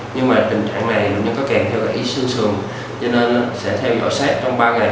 nhưng trình trạng này bệnh nhân có kèm theo gãy xương sườn nên sẽ theo dõi sát trong ba ngày